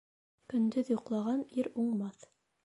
Көндөҙ йоҡлаған ир уңмаҫ.